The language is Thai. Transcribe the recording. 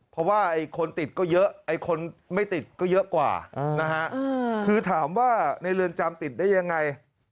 เพราะว่าคนติดก็เยอะไอ้คนไม่ติดก็เยอะกว่านะฮะคือถามว่าในเรือนจำติดได้ยังไง